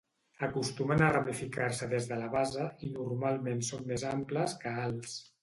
Acostumen a ramificar-se des de la base i normalment són més amples que alts.